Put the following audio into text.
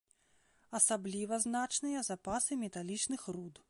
Асабліва значныя запасы металічных руд.